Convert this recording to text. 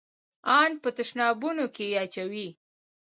ان په تشنابونو کښې يې اچوي.